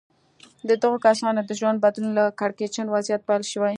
د دغو کسانو د ژوند بدلون له کړکېچن وضعيت پيل شوی.